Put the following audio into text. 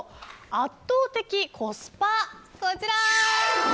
圧倒的コスパ、こちら。